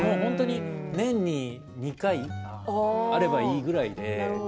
年に２回あればいいくらいで。